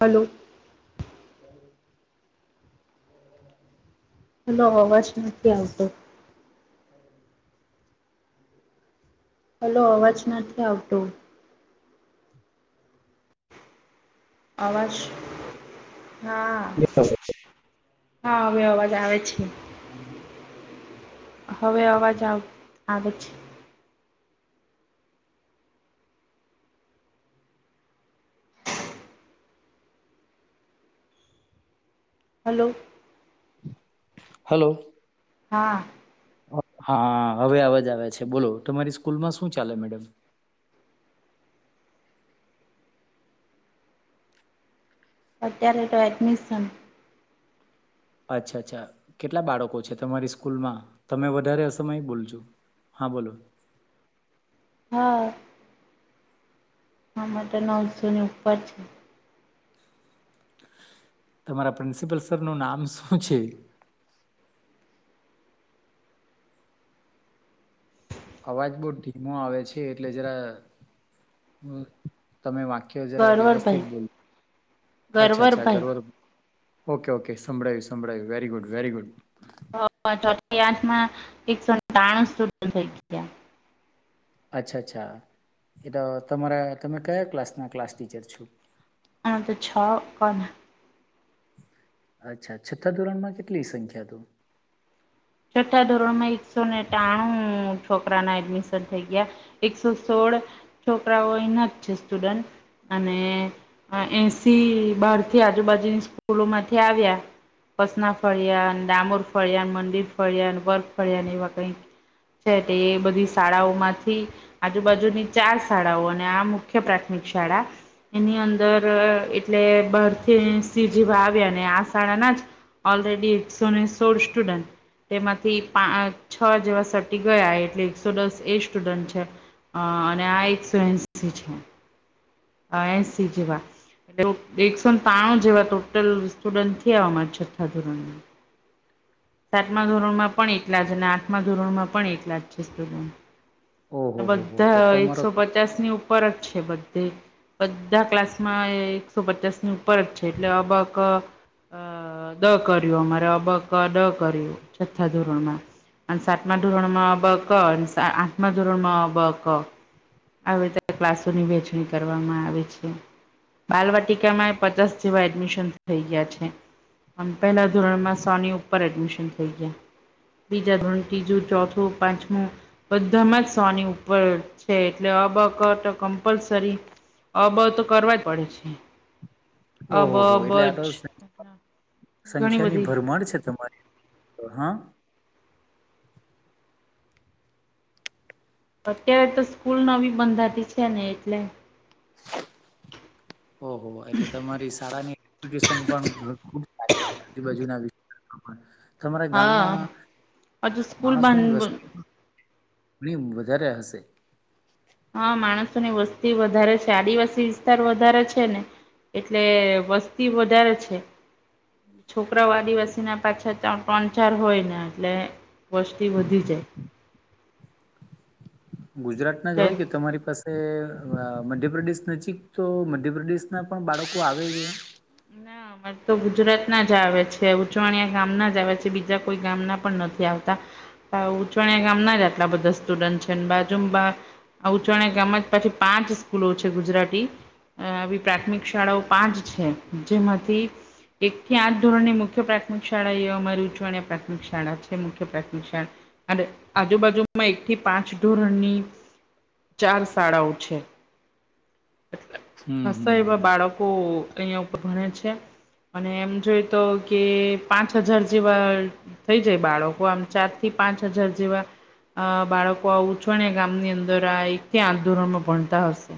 Hello. Hello અવાજ નથી આવતો. હલો અવાજ નથી આવતો. અવાજ હા. હલો. હા હવે અવાજ આવે છે. હવે અવાજ આવ આવે છે. હલો. હલો. હા. હા હવે અવાજ આવે છે બોલો તમારી સ્કૂલમાં શું ચાલે મેડમ. અત્યારે તો એડમિશન. અચ્છા અચ્છા કેટલા બાળકો છે તમારી સ્કૂલમાં તમે વધારે અ સમય બોલ છો. હા બોલો. હા. આ માટે તો નવસો ની ઉપર છે. તમારા પ્રિન્સિપલ સર નું નામ શું છે. આવાજ બહુ ઘીમો આવે છે એટલે જરા. તમે વાક્ય જરા વ્યવસ્થિત ગરવરભાઈ બોલો. અચ્છા અચ્છા ગરવરભાઈ ઘરવારુ તો ઓકે ઓકે સંભળાયું સંભળાયું વેરી ગુડ વેરી ગુડ. હ ચોથી ક્લાસ માં એકસોને ત્રાણું સ્ટુડન્ટ થઈ ગયા. અચ્છા અચ્છા એ તો તમારા તમે કયા ક્લાસના ક્લાસ ટીચર છો. હા તો છ કોને. અચ્છા છા છ્ઠા ધોરણમાં કેટલી સંખ્યા તો. છઠ્ઠા ધોરણમાં એકસો ને ટાણું છોકરાના એડમિશન થઈ ગયા એકસો સો છોકરાઓ અહીંના જ છે સ્ટુડન્ટ અને એસી બહાર થી આજુબાજુની સ્કૂલોમાંથી આવ્યા પસના ફળિયા ડામોર ફળિયા મડી ફળિયાન બર્ફ ફળિયાન એવા કઈક. છે તે એ બધી શાળાઓ માંથી આજુબાજુની ચાર શાળાઓ અને આ મુખ્ય પ્રાથમિક. શાળા એની અંદર એટલે બારથી સજીવા આવ્યા અને આ શાળા. ઓલરેડી એકસો ને સોળ સ્ટુડન્ટ. તેમાંથી પા છ જેવા સટી ગયા એટલે એકસો દસ એ સ્ટુડન્ટ છે. અ અને આ એકસો એસી છે એસી જેવા. એટ એકસો ને ત્રાણું જેવા ટોટલ સ્ટુડન્ટથીયામારા છઠ્ઠા ધોરણ. સાતમા ધોરણમાં પણ એકલા જ અને આઠમા ધોરણમાં પણ એકલા જ છેતબ. ઓહો હો હો તો બધા તમારો એકસો પચાસ ની ઉપર જ છે બધે. બધા ક્લાસમાં એકસો પચાસ ની ઉપર જ છે એટલે અબક અ. ડ કર્યું અમારે બક ડ કર્યું છથ્થા ધોરણ માં. અને સાતમા ધોરણમાં બ ક આઠમા ધોરણ માં બ ક. આવે ત્યારે ક્લાસોની વેચણી કરવામાં આવે છે બાલવાટિકામાં પચાસ જેવા એડમિશન થઈ ગયા છે. આમ પહેલા ધોરણમાં સો ની ઉપર એડમિશન થઈ ગયા બીજા ધોરણ ત્રીજું, ચોથું, પાંચમું, બધામાં જ સોની ઉપર છે. એટલે અબ કર તો કમ્પલસરી અબ તો કરવા જ પડે છે અબ ઓહો એટલે આ તો બજ ઘણી સંખ્યા ની બધી ભરમર છે તમારી હા અત્યારે તો સ્કૂલ નવી બંધાતી છે ને એટલે ઓહ એટલે તમારી શાળાનીરેપ્યૂટેશન પણ ખૂબ આજુ બાજુ ના વિ તમારા હા ગામમાં હજુ સ્કૂલ માણસોની બંધ વસ્તુ. ઘણી વધારે હશે. હા માણસોની વસ્તી વધારે છે આદિવાસી વિસ્તાર વધારે છે ને. એટલે વસ્તી વધારે છે છોકરાઓ આદિવાસી ના. પાછા ત ત્રણ ચાર હોય ને એટલે વસ્તી વધી જાય. ગુજરાતના જ હોય એટલે કે તમારી પાસે. મધ્યપ્રદેશ નજીક તો મધ્યપ્રદેશ ના પણ બાળકો આવે છે. ના અમારે તો ગુજરાત ના જ આવે છે ઉચવાણિયા ગામ ના જ આવે છે બીજા કોઈ ગામના પણ નથી આવે. ત. ઉચાણી ગામ ના જ આટલા બધા સ્ટુડન્ટ છે ને બાજુ ઉચાણ ગામ જ પછી પાંચ. પાંચ સ્કૂલો છે ગુજરાતી આવી પ્રાથમિક શાળાઓ પાંચ છે. જેમતી. એક થી આઠ ધોરણની મુખ્ય પ્રાથમિક શાળા એ અમારી ઉચવાણી પ્રાથમિક શાળા છે મુખ્ય પ્રાથમિક શાળા. અ આજુબાજુમાં એક થી પાંચ ધોરણની. ચાર શાળાઓ છે. હમ હમ હમ હ. ઓહ અહિયાયા ઉપર ભણે છે. અને એમ જોય તો કે પાંચ હજાર જેવા થઈ જાય બાળકો આમ ચાર થી. પાંચ હજાર જેવા. અ બાળકો આ ઉછણ ગામની અંદર આ એક ક્યાં આંદોરણમાં ભણતા હશે.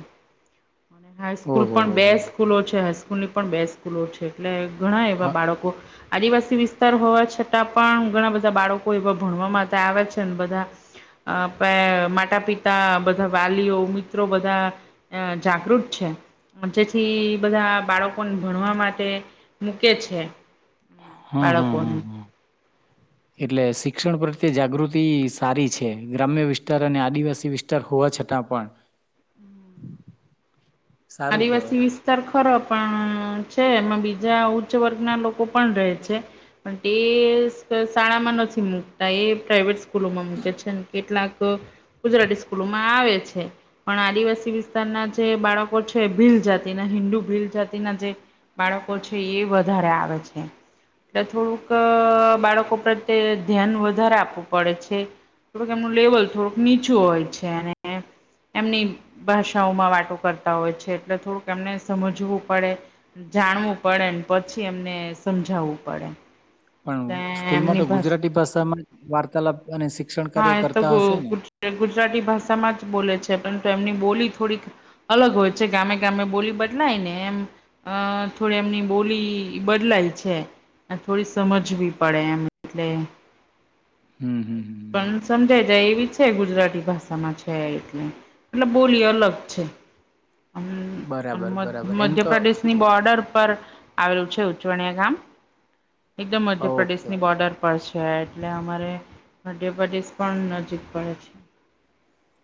હાઈસ્કૂલ ઓહો પણ હો બે હો સ્કૂલો છે હાઈસ્કૂલ ની પણ બે સ્કૂલો છે એટલે. ઘણા એવા હા બાળકો. આદિવાસી વિસ્તાર હોવા છતાં પણ ઘણા બધા બાળકો એવા ભણ માટે આવ છે ને બધા. અ પ માતા પિતા બધા વાલીઓ મિત્રો બધા જાગૃત. જેથી બધા બાળકોને ભણવા માટે મૂકે છે. હમ હમ હમ હમ. હ! એટલે શિક્ષણ પ્રત્યે જાગૃતિ સારી છે. ગ્રામ્ય વિસ્તાર અને આદિવાસી વિસ્તાર હોવા છત તા પણ. સારું આદિવાસી કેહેવાય વિસ્તાર ખરો પણ છે. એમાં બીજા ઉચ્ચ વર્ગના લોકો પણ રહે છે. પણ તે શ શાળામાં નથી, મૂકતા એ પ્રાઈવેટ સ્કૂલોમાં મૂકે છે કેટલાક તો ગુજરાતી સ્કૂલોમાં આવે છે, પણ આદિવાસી વિસ્તારના જે બાળક કો છે ભીલ જાતિના, હિન્દુ ભીલ જાતિના જે બાળકો છે એ વધારે આવે છે. એટલે થોડુંક બાળકો અહ પ્રત્યે ધ્યાન વધારે આપવું પડે છે. થોડુંક આમનું લેવલ થોડુંક નીચું હોય છે. એને એમની ભાષાઓમાં વાતો કરતા હોય છે. એટલે થોડુંક એમને સમજવું પડે. જાણવું પડે, ને પછી એમને સમજાવવું પડે. પણ એટલે સ્કૂલમાં એમની તો ભાષા ગુજરાતી ભાષામાં વાર્તાલાપ અને શિ હા એ તો ગ ગુજ ગુજરાતી ભાષામાં જ બોલે છે બ તો એમની બોલી થોડીક અલગ હોય છે ગામે-ગામે બોલી બદલાયને એમ, અહ થો આપણે એમની બોલી બદલાય છે. અને થોડી સમજવી પડે એમ એટલે. હમ્મ-હમ્મ-હમ્મ. પણ સમજાઈ જાય એવી છે ગુજરાતી ભાષામાં છે એ એટલે. એટલે બોલી અલગ છે. હમ્મ અન બરાબર મધ બરાબર એમ તો મધ્યપ્રદેશની બોર્ડર પર આવેલું છે ઉચવણીયા ગામ. એકદમ ઓકે મધ્યપ્રદેશની બોર્ડર પર છ છે, એટલે અમારેપ પણ નજીક પડે છે.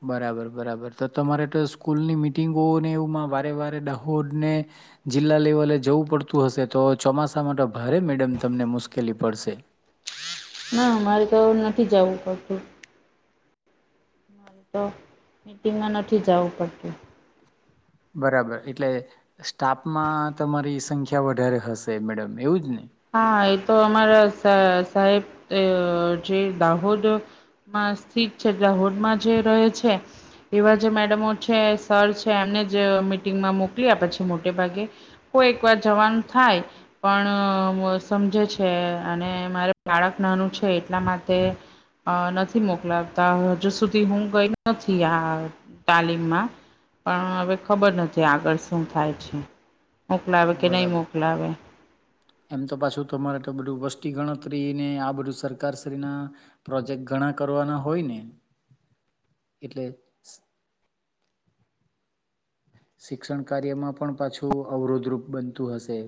બરાબર, બરાબર. તો તમારે તો સ્કૂલની મિટિંગોને એવું માં વારે-વારે દાહોદ ને જિલ્લા લેવલે જવું પડતું હશે તો ચોમાસા મા ટો ભારે મેડમ તમને મુશ્કેલી પડશે. જાવું પડતું. તો મીટિંગમાં નથી જવું પડતું. બરાબર. એટલે સ્ટાફમાં તમારી સંખ્યા વધારે હશે મેડમ એવું જ ને? હા એ તો અમારા સ સાહેબ અહ જે દાહોદ માં સ્થિત છે દાહોદ માં જે રહે છે એવા જે મેડમો છે, સર છે. એમને જ મીટિંગમાં મોકલી આપે છે. મોટે ભાગે. કોઈક વાર જવાનું થાય, પણ અહ સમજે છે, અને મારે બાળક નાનું છે એટલા માટે અહ નથી મોકલાવતા. હજુ સુધી હું ગઈ નથી આ.. તાલીમમાં. પણ, હવે ખબર નથી આગળ શું થાય છે. મોકલાવે કે, નહીં બરાબર મોકલાવે. એમ તો પાછું તમારે તો બધું વસ્તી ગણતરીને આ બધું સરકાર શ્રી ના પ્રોજેક્ટ ઘણા કરવાના હોય ને? [inaudible] એટ. શિક્ષણ કાર્યમાં પણ પાછું અવરોધરૂપ બનતું હશે.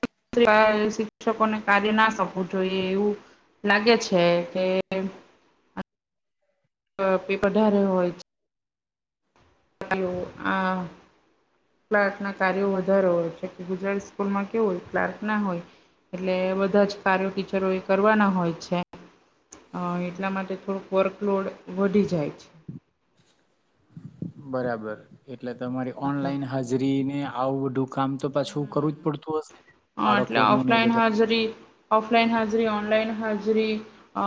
[unintelligible] શિક્ષકોને કાઢી ના શકવું જોઈએ એવું લાગે છે. કે વધારે હોય છે આનું આ ક્લાર્ક ના કાર્યો વધારે હોય છે. ગુજરાતી સ્કૂલમાં કેવું હોય ક્લાર્ક ના હોય. એટલે બધા જ કાર્યો ટીચરો એ કરવાના હોય છે. અહ એટલા માટે થોડુંક વર્કલોડ વધી જાય છે. બરાબર. એટલે તમારી છે ઓનલાઈન હાજરી ને આવું બધું કામ તો પાછું કરવું જ પડતું હશ હા એટલે ઓફલાઈન હાજરી ઓફલાઈન હાજરી, ઓનલાઈન હાજરી. અ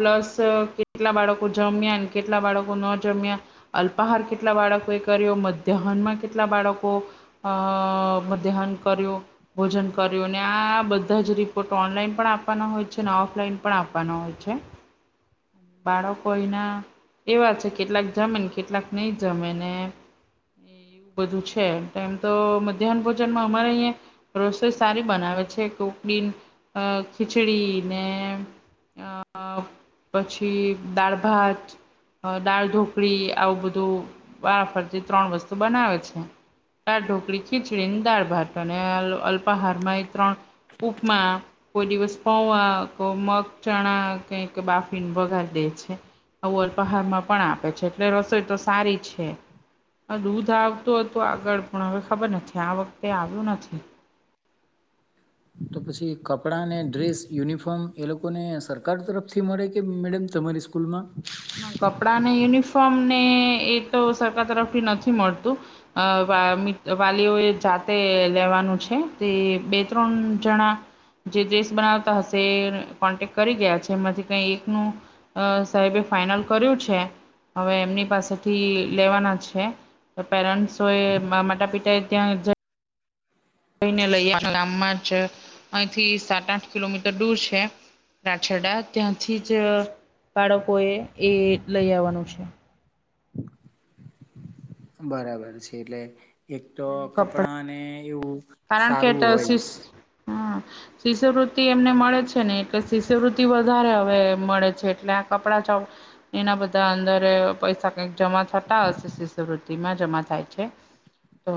પ્લસ કેટલા બાળકો જમ્યા. કેટલા બાળકો ન જમ્યા અલ્પાહાર, કેટલા બાળકોએ કર્યો, મધ્યાહનમાં કેટલા બાળકો અ મધ્યાહન કર્યું ભોજન કર્યું ને આ બધા જ રિપોર્ટ ઓનલાઈન પણ આપવાના હોય છે અનેને ઓફલાઈન પણ આપવાના હોય છે હ બાળકોઈ ના એવા છે કેટલાક જમે ને કેટલાક નહી જમે ને બધું છે એમ તો મધ્યાહન ભોજનમાં અમારે અહીંયા રસોઈ સારી બનાવે છે કોકડી અ ખીચડી ને આ પછી દાળભાત હ દાળ ઢોકળી આવું બધું વારાફરતી ત્રણ વસ્તુ બનાવે છે આ ઢોકળી ખીચડી ને દાળ ભાત અને અલ્પાહારમાં એ ત્રણ ઉપમા કોઈ દિવસ પોવા કો મગ ચણા કઈક બાફ વગાર દે છે. અવ પહાડમાં પણ આપે છે એટલે રસોઈ તો સારી છે. હ દૂધ આવતું હતું આગળ પણ હવે ખબર નથી આ વખતે આવ્યું નથી. [inaudible] તો પછી કપડાને, ડ્રેસ યુનિફોર્મ એ લોકોને સરકાર તરફથી મળે કે? મેડમ તમારી સ્કૂલમાં. કપડાં ને યુનિફોર્મ ને એ તો સરકાર તરફથી નથી મળતું. વાલીઓ જાતે લેવાનું છે તે બે ત્રણ જણા. જે ડ્રેસ બનાવતા હશે એ કોન્ટેક કરી ગયા છે એમાંથી કઈ એકનું સાહેબે ફાાઈનલ કર્યું છે હવે એમની પાસેથી લેવાના છે પેરેન્ટ્સ એ માતા પિતા એ ત્યાં જ લઈને લઈએ ગામમાં જ અહીંથી સાત આઠ કિલોમીટર દૂર છે રાછડા ત્યાંથી જ બાળકો એ એ લઈ આવવાનું છે બરાબર છે એટલે એક તો કપડા કપડાને એવું કારણ કે સારું હોય શિષ હા શિષ્યવૃત્તિ એમને મળે છે ને એટલે શિષ્યવૃત્તિ વધારે હવે મળે છે એટલે કપડા ચાવ એના બધા અંદરે પૈસા કઈક જમા થતા શિષ્યવૃતિમાં જમા થાય છે તો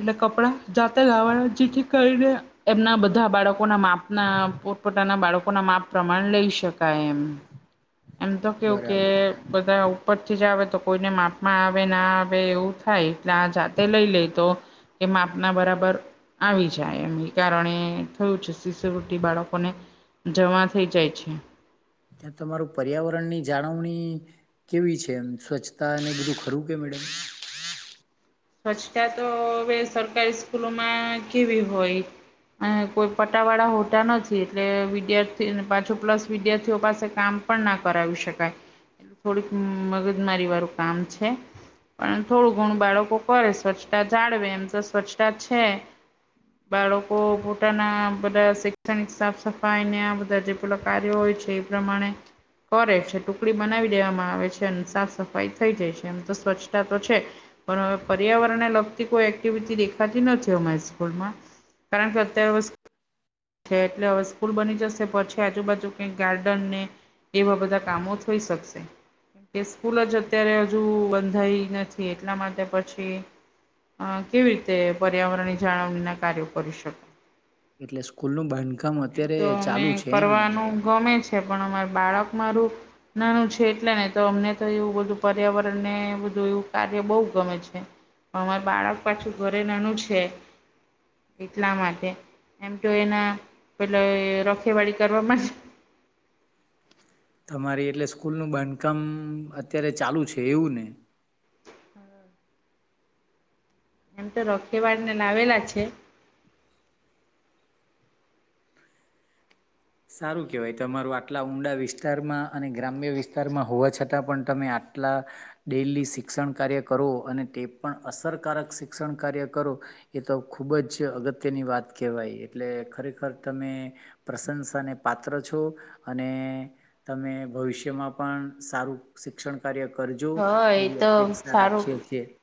એટલે કપડા જાતે લાવાના જેથી કરીને એમના બધા બાળકોના માપના પો પોતા ના બાળકો ના માપ પ્રમાણ લઈ શકાય એમ એમ તો કેવું કે બરાબર બધા ઉપરથી જ આવે તો કોઈને માપમાં આવે ના આવે એવું થાય એટલે આ જાતે લઈ લે તો એ માપના બરાબર આવી જાય એમ એ કારણે થયું છે શિશુવૃિ બાળકોને જમા થઇ જાય છે ત્યા તમારું પર્યાવરણ ની જાળવણી કેવી છે એ સ્વચ્છતા ને બધું ખરું કે [unintelligible] સ્વચ્તા તો હવે સરકારી સ્કૂલોમાં કેવી હોય અ કોઈ પટાવાળા હોતા નથી એટલે વિદ્યાર્થી પાછો પ્લસ વિદ્યાર્થીઓ પાસે કામ પણ ના કરાવી શકાય એ થોડીક મગજમારી વાળું કામ છે પણ થોડું ઘણું બાળકો કરે સ્વચ્છતા જાળવે એમ તો સ્વચ્છતા છે બાળકો પોતાના બધા શિકક્ષણિક સાફ સફાઈને બધા જે પેલા કાર્યો હોય છે એ પ્રમાણે કરે છે ટુકડી બનાવી દેવામાં આવે છે અને સાફ સફાઈ થઈ જાય છે એમ તો સ્વચ્છતા તો છે પણ હવે પર્યાવરણને લગતી કોઈ એક્ટિવિટી દેખાતી નથી અમારી સ્કૂલમાં કારણ સત્યા વવસ્થ છે એટલે હવે સ્કૂલ બની જશે પછી આજુબાજુ કંઈક ગાર્ડન ને એવા બધા કામો થઈ શકશે એ સ્કૂલ જ અત્યારે હજુ બંધાઈ નથી એટલા માટે પછી અ કેવી રીતે પર્યાવરણની જાળવણીના કાર્યો કરી શકો? એટલે સ્કૂલ નું બાંધકામ અત્યારે અમે ચાલુ છે એમ ને મેડમ. કરવાનું ગમે છે પણ અમાર બાળક મારું નાનું છે એટલે નઇ તો અમને તો એવું બધું પર્યાવરણ ને બધું એવું કાર્ય બહુ ગમે છે પણ અમારે બાળક પાછું ઘરે નાનું છે એટલા માટે એમ તો એના એટલે રખેવાળી કરવા મા જ? તમારી એટલે સ્કૂલનુ બાંધકામ અત્યારે ચાલુ છે એવું ને. એમ તો રખેવાળને લાવેલા છે. સારું કેવાય તમારું આટલા ઊંડા વિસ્તારમા અને ગ્રામ્ય વિસ્તારમા હોવા છતાં પણ તમે આ આટલા ડેલી શિક્ષણ કાર્ય કરો અને તે પણ અસરકારક શિક્ષણ કાર્ય કરો એ તો ખુબ જ અગત્યની વાત કેહેવાય એટલે ખરેખર તમે પ્રશંસા ને પાત્ર છો અને તમે ભવિષ્યમાં પણ સારું શિક્ષણ કાર્ય કરજો હ એ એવી તો અપેક્ષા સારું રાખીએ છીએ